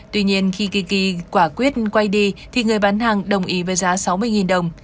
tuy nhiên khi tiki quả quyết quay đi thì người bán hàng đồng ý với giá sáu mươi đồng